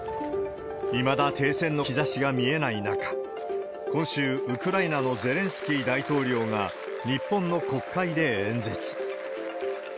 いまだ停戦の兆しが見えない中、今週、ウクライナのゼレンスキー大統領が日本の国会で演説。